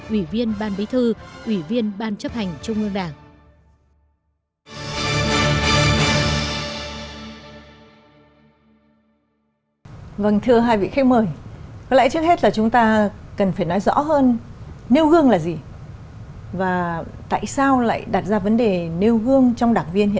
ủy viên ban bế thư ủy viên ban chấp hành trung ương đảng